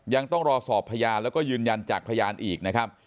ยังต้องรอสอบพยานแล้วก็ยืนยันจากพยานอีกนะครับ